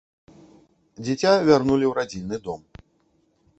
Дзіця вярнулі ў радзільны дом.